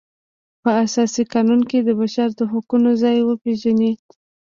په اساسي قانون کې د بشر د حقونو ځای وپیژني.